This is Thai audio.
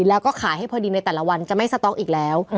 แล้วก็ขายให้พอดีในแต่ละวันจะไม่สต๊อกอีกแล้ว